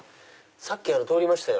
さっき通りましたよ。